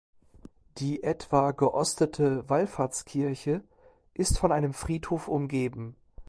Die etwa geostete Wallfahrtskirche ist von einem Friedhof umgeben.